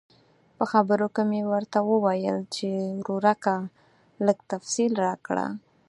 په خبرو کې مې ورته وویل چې ورورکه لږ تفصیل راکړه.